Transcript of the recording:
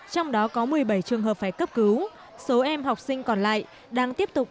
trong đó có một mươi bảy trường hợp phải cấp cứu số em học sinh còn lại đang tiếp tục